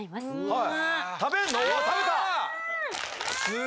はい。